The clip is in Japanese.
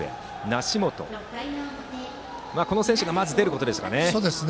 梨本がまず出ることですかね。